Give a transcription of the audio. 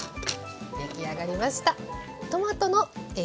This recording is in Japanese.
出来上がりました。